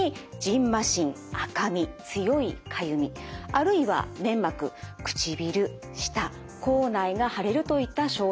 あるいは粘膜唇舌口内が腫れるといった症状が出ます。